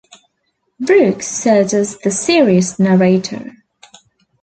Brooks served as the series narrator.